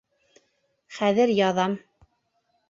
Хәҙер яҙам.